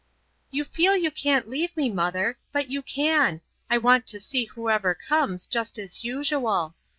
"You feel you can't leave me, mother. But you can. I want to see whoever comes, just as usual.